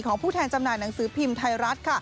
ผู้แทนจำหน่ายหนังสือพิมพ์ไทยรัฐค่ะ